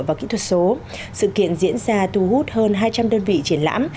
và kỹ thuật số sự kiện diễn ra thu hút hơn hai trăm linh đơn vị triển lãm